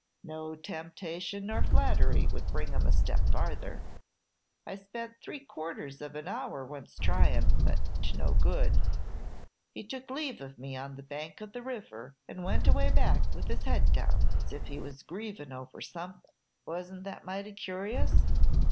No temptation nor flattery would bring him a step farther. I spent three quarters of an hour once trying it, but to no good; he took leave of me on the bank of the river, and went away back with his head down, as if he was grievin' over something. Was n't that mighty curious?"